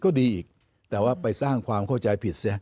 ก็ดีอีกแต่ว่าไปสร้างความเข้าใจผิดเสีย